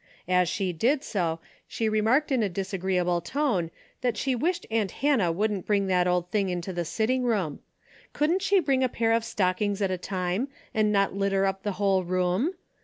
As she did so, she remarked in a disa greeable tone that she wished aunt Hannah wouldn't bring that old thing into the sitting room. Couldn't she bring a pair of stockings at a time, and not litter up the whole room